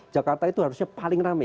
jakarta itu harusnya paling rame